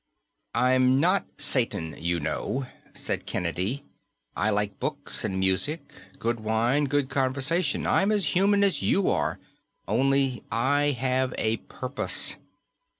"I'm not Satan, you know," said Kennedy. "I like books and music, good wine, good conversation. I'm as human as you are, only I have a purpose."